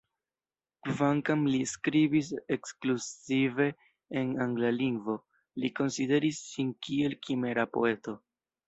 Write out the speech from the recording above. Kvankam li skribis ekskluzive en angla lingvo, li konsideris sin kiel kimra poeto.